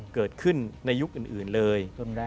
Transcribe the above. เกิดขึ้นในยุคอื่นเลย